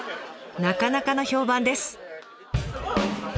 なかなかの評判です。